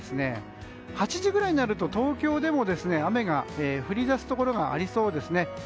８時ぐらいになると東京でも雨が降り出すところがありそうですね。